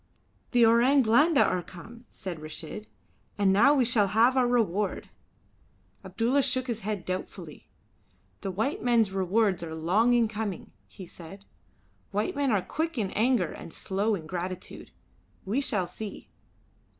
"The Orang Blanda are come," said Reshid, "and now we shall have our reward." Abdulla shook his head doubtfully. "The white men's rewards are long in coming," he said. "White men are quick in anger and slow in gratitude. We shall see."